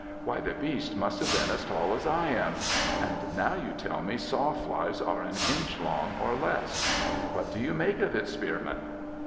Why the beast must have been as tall as I am. And now you tell me sawflies are an inch long or less. What do you make of it, Spearman?'